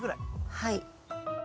はい。